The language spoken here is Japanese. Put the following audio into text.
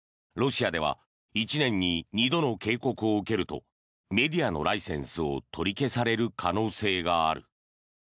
ロシアでは１年に２度の警告を受けるとメディアのライセンスを取り消される可能性がある。